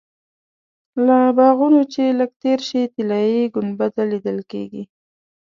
له باغونو چې لږ تېر شې طلایي ګنبده لیدل کېږي.